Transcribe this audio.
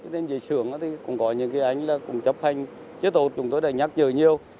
nên dưới sưởng cũng có những anh chấp hành chế tột chúng tôi đã nhắc nhở nhiều